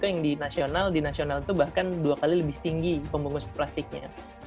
yang di nasional di nasional itu bahkan dua kali lebih tinggi pembungkus plastiknya